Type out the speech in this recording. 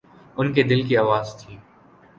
ان کے دل کی آواز تھی۔